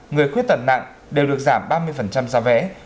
người khuyết tật nặng đều được giảm ba mươi giá vé